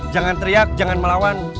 jangan teriak jangan melawan